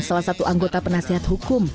salah satu anggota penasihat hukum